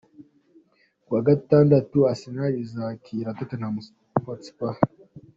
Kuwa Gatandatu, Arsenal izakira Tottenham Hotspur.